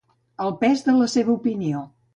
El pes de la seva opinió.